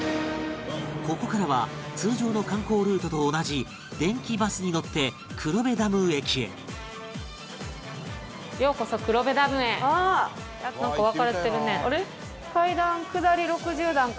ここからは通常の観光ルートと同じ電気バスに乗って黒部ダム駅へなんか分かれてるね。